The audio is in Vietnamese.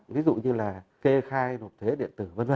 ví dụ như là kê khai nộp thuế điện tử v v